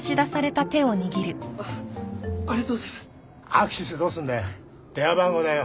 握手してどうすんだよ。